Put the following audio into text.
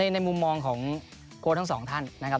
ในมุมมองของโค้ดทั้งสองท่านนะครับ